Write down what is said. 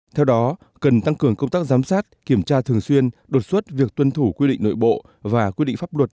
theo đó cần tăng cường công tác giám sát kiểm tra thường xuyên đột xuất việc tuân thủ quy định nội bộ và quy định pháp luật